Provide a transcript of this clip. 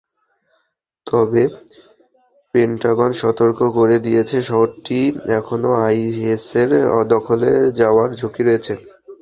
তবে পেন্টাগন সতর্ক করে দিয়েছে, শহরটি এখনো আইএসের দখলে যাওয়ার ঝুঁকি রয়েছে।